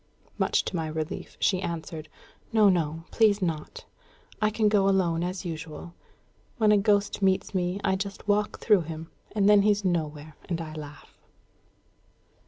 Much to my relief, she answered, "No, no; please not. I can go alone as usual. When a ghost meets me, I just walk through him, and then he's nowhere; and I laugh."